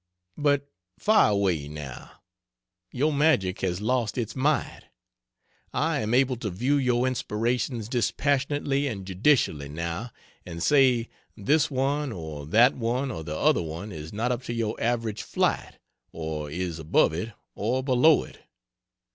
But fire away, now! Your magic has lost its might. I am able to view your inspirations dispassionately and judicially, now, and say "This one or that one or the other one is not up to your average flight, or is above it, or below it."